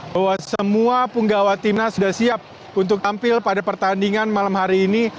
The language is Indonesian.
bahwa semua penggawa timnas sudah siap untuk tampil pada pertandingan malam hari ini